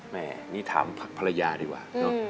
แหมนี่ถามภรรยาดีกว่า